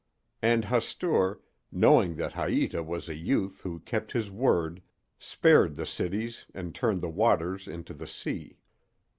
And Hastur, knowing that Haïta was a youth who kept his word, spared the cities and turned the waters into the sea.